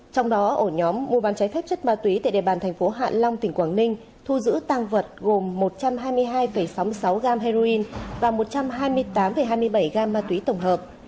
trong đó ổ nhóm mua bán cháy phép chất ma túy tại địa bàn thành phố hạ long tỉnh quảng ninh thu giữ tăng vật gồm một trăm hai mươi hai sáu mươi sáu gram heroin và một trăm hai mươi tám hai mươi bảy gam ma túy tổng hợp